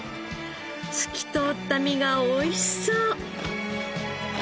透き通った身がおいしそう。